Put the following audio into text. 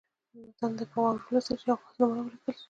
متن دې په غور ولوستل شي او خاص نومونه ولیکل شي.